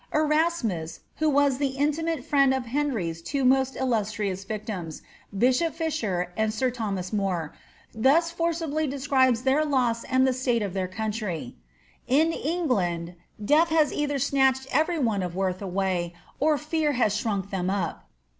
Erasmus, who was the intimate friend of Henry^s two most illustrious victims, bishop Fisher and sir Thomas More, thus forcibly describes their loss and the state of their country :^^ In England, death has either snatched every one (of worth) away, or fear has shrunk them up."